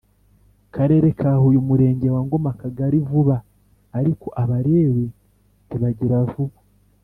Karere ka Huye Umurenge wa Ngoma Akagali vuba Ariko Abalewi ntibagira vuba